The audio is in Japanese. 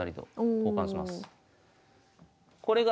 交換します。